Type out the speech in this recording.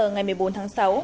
ngày một mươi bốn tháng sáu